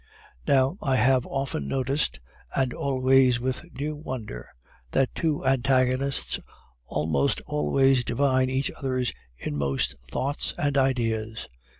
Now, I have often noticed, and always with new wonder, that two antagonists almost always divine each other's inmost thoughts and ideas.